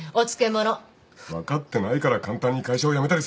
分かってないから簡単に会社を辞めたりするんだろ。